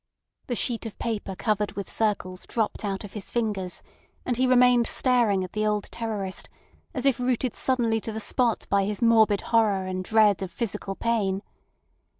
The sheet of paper covered with circles dropped out of his fingers, and he remained staring at the old terrorist, as if rooted suddenly to the spot by his morbid horror and dread of physical pain.